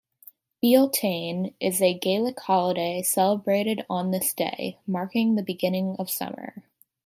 "Bealtaine" is a Gaelic holiday celebrated on this day, marking the beginning of summer.